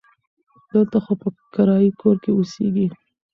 دلته خو په کرایي کور کې اوسیږي.